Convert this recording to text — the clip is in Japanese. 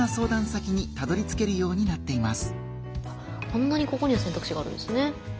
こんなにここには選択肢があるんですね。